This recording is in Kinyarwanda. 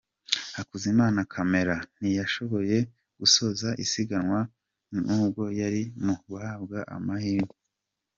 Hakuzimana Camera ntiyashoboye gusoza isiganwa nubwo yari mu habwa amahirwe.